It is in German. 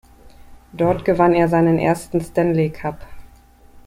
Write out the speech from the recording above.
Dort gewann er seinen ersten Stanley Cup.